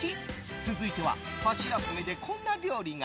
続いては、箸休めでこんな料理が。